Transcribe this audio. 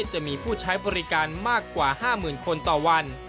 จะมีผู้ใช้บริการมากกว่า๕๐๐๐คนต่อวัน